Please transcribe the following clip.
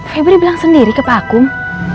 febri bilang sendiri ke pak akung